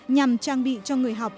nhằm trang bị cho người học